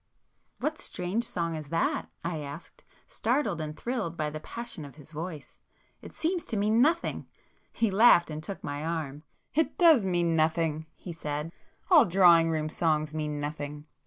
"What strange song is that?" I asked, startled and thrilled by the passion of his voice—"It seems to mean nothing!" He laughed, and took my arm. "It does mean nothing!" he said—"All drawing room songs mean nothing.